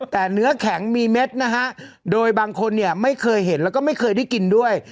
แต่เนื้อแข็งมีเม็ดนะฮะโดยบางคนเนี่ยไม่เคยเห็นแล้วก็ไม่เคยได้กินด้วย